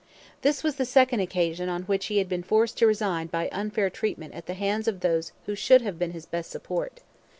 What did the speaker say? This was the second occasion on which he had been forced to resign by unfair treatment at the hands of those who should have been his best support.